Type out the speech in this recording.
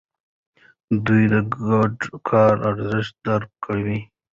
دوی د ګډ کار ارزښت درک کوي.